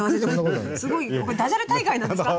すごいここダジャレ大会なんですか？